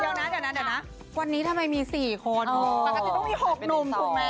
เดี๋ยวนะวันนี้ทำไมมี๔คนปกติต้องมี๖หนุ่มถูกไหม